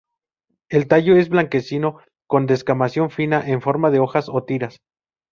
El tallo es blanquecino con descamación fina en forma de hojas o tiras.